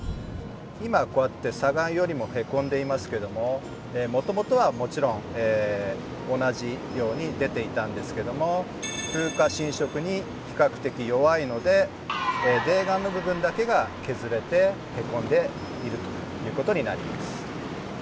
今こうやって砂岩よりも凹んでいますけどももともとはもちろん同じように出ていたんですけども風化侵食に比較的弱いので泥岩の部分だけが削れて凹んでいるということになります。